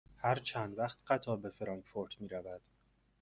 هر چند وقت قطار به فرانکفورت می رود؟